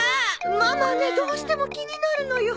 ママねどうしても気になるのよ。